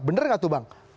bener nggak tuh bang